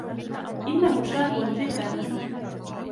إنهُ شاب جداً.